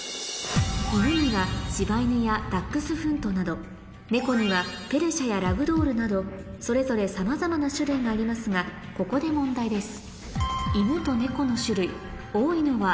犬には柴犬やダックスフントなど猫にはペルシャやラグドールなどそれぞれさまざまな種類がありますがここで問題です